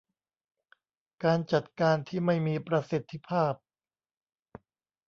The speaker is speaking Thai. การจัดการที่ไม่มีประสิทธิภาพ